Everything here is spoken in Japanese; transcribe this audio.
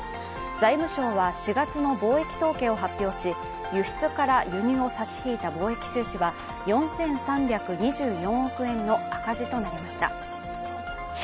財務省は４月の貿易統計を発表し輸出から輸入を差し引いた貿易習氏は４３２４億円の赤字となりました。